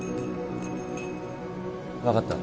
分かった。